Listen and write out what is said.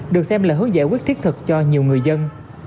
được xem là hướng giải quyết thiết thực cho nhiều người dân